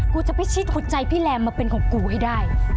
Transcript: กูจะพิชิตหัวใจพี่แรมมาเป็นของกูให้ได้